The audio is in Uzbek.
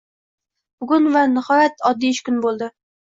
Bugun va nihoyat oddiy ish kuni bo`ldi